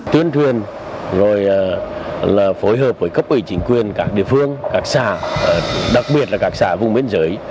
tuyên thuyền rồi là phối hợp với cấp ủy chính quyền các địa phương các xã đặc biệt là các xã vùng biên giới